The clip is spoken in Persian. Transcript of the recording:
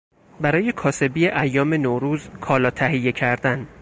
برای کاسبی ایام نوروز کالا تهیه کردن